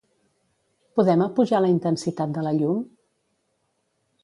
Podem apujar la intensitat de la llum?